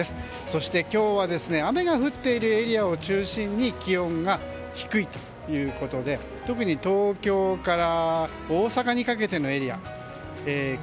そして今日は雨が降っているエリアを中心に気温が低いということで特に東京から大阪にかけてのエリア。